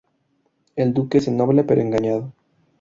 El duque es noble pero engañado.